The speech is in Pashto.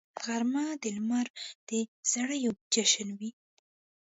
غرمه د لمر د زریو جشن وي